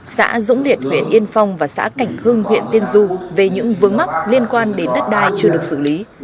xã dũng liệt huyện yên phong và xã cảnh hương huyện tiên du về những vướng mắc liên quan đến đất đai chưa được xử lý